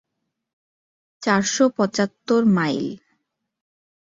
চারশো পঁচাত্তর মাইল।